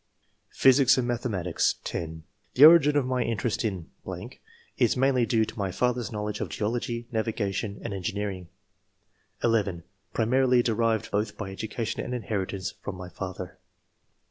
Physics and Mathematics. — (10) The origin of my interest in .... is mainly due to my father's knowledge of geology, navigation, and engineering. (11) Primarily derived [both by education and inheritance] from my father.